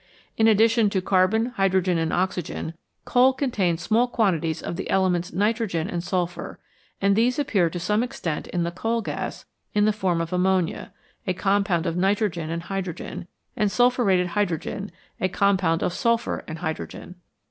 In addition to carbon, hydrogen, and oxygen, coal contains small quantities of the elements nitrogen and sulphur, and these appear to some extent in the coal gas in the form of ammonia a compound of nitrogen and hydrogen and sulphuretted hydrogen a com pound of sulphur and hydrogen.